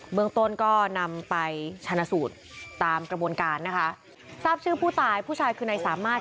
เมืองต้นก็นำไปชนะสูตรตามกระบวนการนะคะทราบชื่อผู้ตายผู้ชายคือนายสามารถ